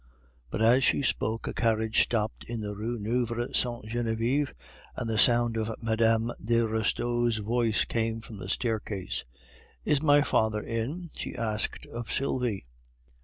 But as she spoke a carriage stopped in the Rue Nueve Sainte Genevieve, and the sound of Mme. de Restaud's voice came from the staircase. "Is my father in?" she asked of Sylvie.